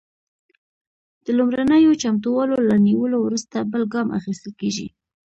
د لومړنیو چمتووالو له نیولو وروسته بل ګام اخیستل کیږي.